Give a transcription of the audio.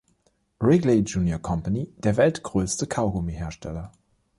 Wrigley Junior Company, der weltgrößte Kaugummi-Hersteller.